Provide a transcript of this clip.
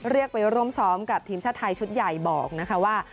เรียกไปร่วมซ้อมกับทีมชาติไทยชุดใหญ่บอกนะคะว่า